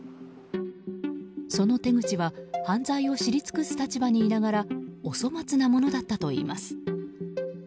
その手口は犯罪を知り尽くす立場にいながらお粗末なものだったといいます。